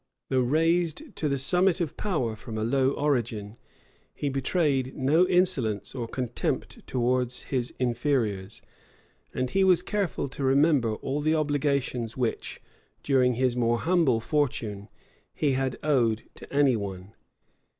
Though raised to the summit of power from a low origin, he betrayed no insolence or contempt towards his inferiors; and was careful to remember all the obligations which, during his more humble fortune, he had owed to any one.